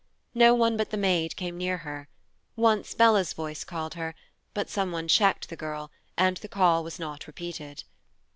No one but the maid came near her; once Bella's voice called her, but some one checked the girl, and the call was not repeated.